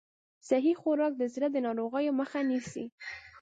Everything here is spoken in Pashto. صحي خوراک د زړه د ناروغیو مخه نیسي.